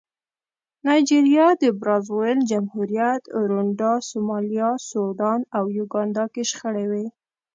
نایجریا، د برازاویل جمهوریت، رونډا، سومالیا، سوډان او یوګانډا کې شخړې وې.